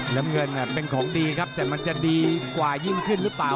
น้ำเงินเป็นของดีครับแต่มันจะดีกว่ายิ่งขึ้นหรือเปล่า